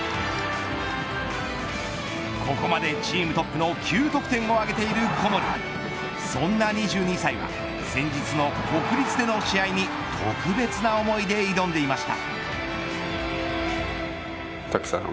ここまでチームトップの９得点を挙げている小森そんな２２歳は先日の国立での試合に特別な思いで挑んでいました。